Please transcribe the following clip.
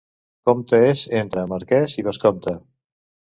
Comte és entre marquès i vescomte.